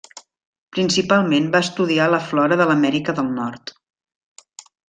Principalment va estudiar la flora de l'Amèrica del Nord.